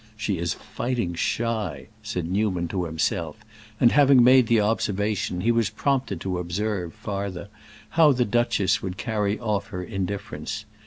"She is fighting shy!" said Newman to himself; and, having made the observation, he was prompted to observe, farther, how the duchess would carry off her indifference.